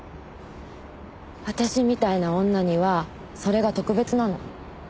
私みたいな女にはそれが特別なの。